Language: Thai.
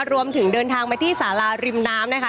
รวมถึงเดินทางมาที่สาราริมน้ำนะคะ